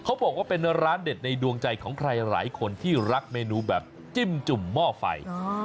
เขาบอกว่าเป็นร้านเด็ดในดวงใจของใครหลายคนที่รักเมนูแบบจิ้มจุ่มหม้อไฟ